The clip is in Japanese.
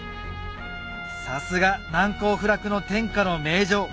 さすが難攻不落の天下の名城